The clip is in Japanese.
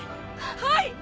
はい！